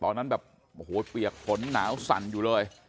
ตอนนั้นแบบโอ้โหเปียกผลหนาวสั่นอยู่เลย